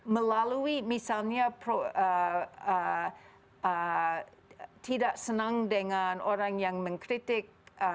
melalui misalnya tidak senang dengan orang yang mengkritik